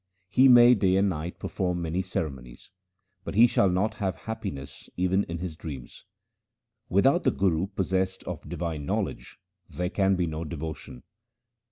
He may day and night perform many ceremonies, but he shall not have happiness even in his dreams. Without the Guru possessed of divine knowledge there can be no devotion.